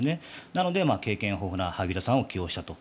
なので、経験豊富な萩生田さんを起用したと。